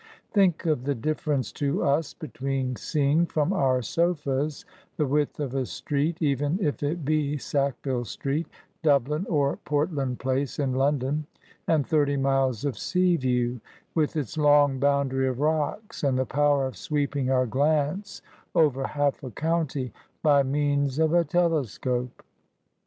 Think of the diflference to us between seeing from our sofas the width of a street, even if it be Sackville street, Dublin, or Portland Place, in London, and thirty miles of sea view, with its long boundary of rocks, and the power of sweeping our glance over half a county, by means of a telescope